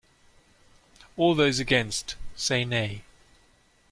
All those against, say Nay.